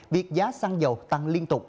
việc giá xăng dầu tăng liên tục